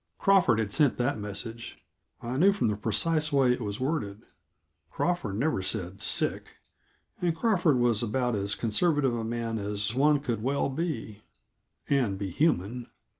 Crawford had sent that message; I knew from the precise way it was worded Crawford never said sick and Crawford was about as conservative a man as one could well be, and be human.